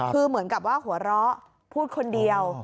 คือเหมือนกับว่าหัวเราะพูดคนเดียว